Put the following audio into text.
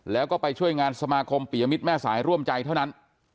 แล้วก็ไปช่วยงานสมาคมปียมิตรแม่สายร่วมใจเท่านั้น